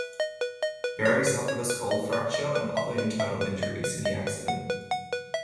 Berry suffered a skull fracture and other internal injuries in the accident.